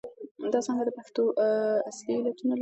دا څانګه د پېښو اصلي علتونه لټوي.